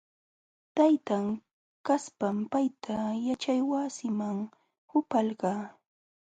Taytan kastam payta yaćhaywasiman puhalqa.